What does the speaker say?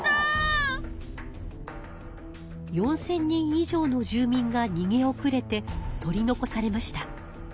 ４，０００人以上の住民がにげおくれて取り残されました。